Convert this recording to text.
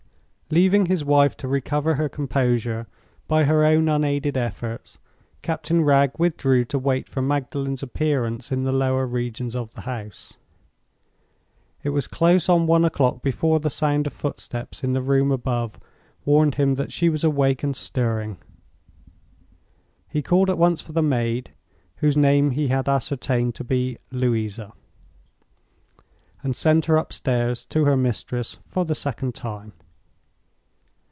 Leaving his wife to recover her composure by her own unaided efforts, Captain Wragge withdrew to wait for Magdalen's appearance in the lower regions of the house. It was close on one o'clock before the sound of footsteps in the room above warned him that she was awake and stirring. He called at once for the maid (whose name he had ascertained to be Louisa), and sent her upstairs to her mistress for the second time.